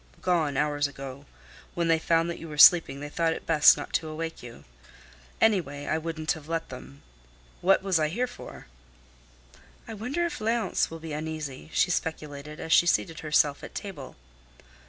"Gone hours ago. When they found that you were sleeping they thought it best not to awake you. Any way, I wouldn't have let them. What was I here for?" "I wonder if Léonce will be uneasy!" she speculated, as she seated herself at table.